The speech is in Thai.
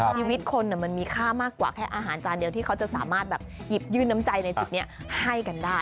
ชีวิตคนมันมีค่ามากกว่าแค่อาหารจานเดียวที่เขาจะสามารถแบบหยิบยื่นน้ำใจในจุดนี้ให้กันได้